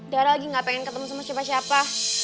dara lagi gak pengen ketemu semua siapa siapa